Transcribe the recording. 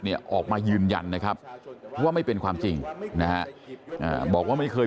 ออกมายืนยันนะครับว่าไม่เป็นความจริงนะฮะบอกว่าไม่เคย